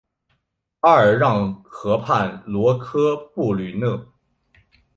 阿尔让河畔罗科布吕讷。